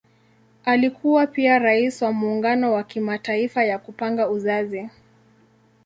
Alikuwa pia Rais wa Muungano ya Kimataifa ya Kupanga Uzazi.